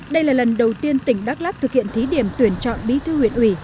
đây là lần đầu tiên tỉnh đắk lắc thực hiện thí điểm tuyển chọn bí thư huyện ủy